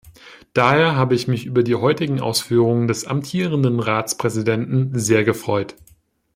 Daher habe ich mich über die heutigen Ausführungen des amtierenden Ratspräsidenten sehr gefreut.